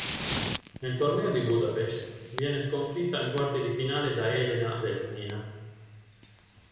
Nel torneo di Budapest viene sconfitta nei quarti di finale da Elena Vesnina.